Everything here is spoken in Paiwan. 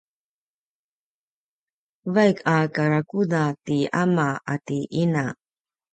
vaik a karakuda ti ama ati ina